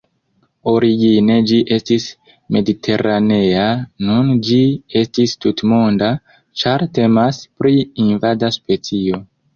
Origine ĝi estis mediteranea, nun ĝi estis tutmonda, ĉar temas pri invada specio.